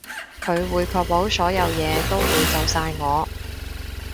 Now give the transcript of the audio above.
佢會確保所有嘢都會就晒我